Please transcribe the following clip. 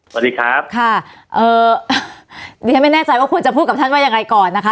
สวัสดีครับค่ะเอ่อดิฉันไม่แน่ใจว่าควรจะพูดกับท่านว่ายังไงก่อนนะคะ